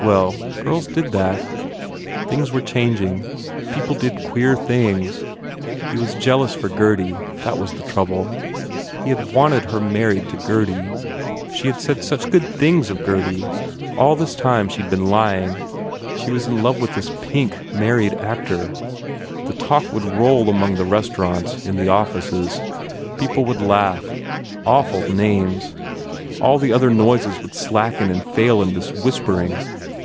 Well, girls did that. Things were chang ing. People did queer things. He was jealous for Gurdy, that was the trouble. He had wanted her married to Gurdy. She had said such good things of Gurdy. All this time she d been lying. She was in love with this pink, married actor. The talk would roll among the restaurants, in the offices. People would laugh. Awful names ! All the other noises would slacken and fail in this whispering.